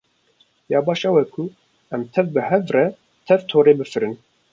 Ya baş ew e ku em tev bi hev re tev torê bifirin.